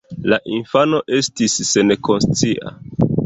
La infano estis senkonscia.